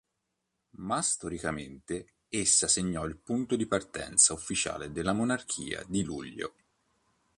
Ma storicamente, essa segnò il punto di partenza ufficiale della monarchia di Luglio.